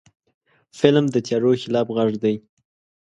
فلم د تیارو خلاف غږ دی